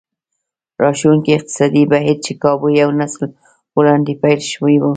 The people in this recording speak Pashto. راښکوونکي اقتصادي بهير چې کابو يو نسل وړاندې پيل شوی و.